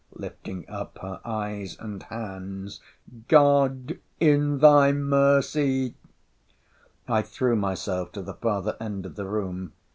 [lifting up her eyes and hands] God, in thy mercy!' I threw myself to the farther end of the room.